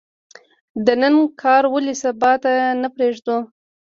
د نن کار ولې سبا ته نه پریږدو؟